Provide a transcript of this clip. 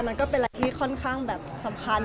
มันก็เป็นอะไรที่ค่อนข้างแบบสำคัญ